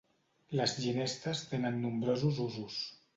Les ginestes tenen nombrosos usos.